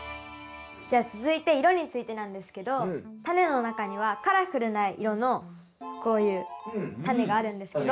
じゃあ続いて色についてなんですけどタネの中にはカラフルな色のこういうタネがあるんですけど。